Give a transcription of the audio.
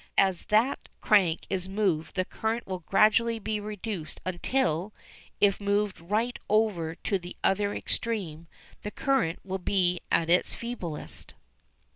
As that crank is moved the current will gradually be reduced, until, if it be moved right over to the other extreme, the current will be at its feeblest.